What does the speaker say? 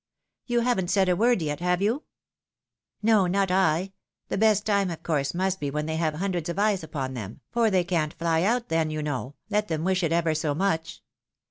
You haven't said a word yet, have you ?" "No, not I — the best time of course must be when they have hundreds of eyes upon them, for they can't fly out, then, you know, let them wish it ever so much.